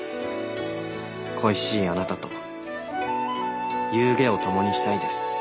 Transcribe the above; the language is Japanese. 恋しいあなたと夕餉を共にしたいです。